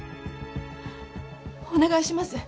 お願いします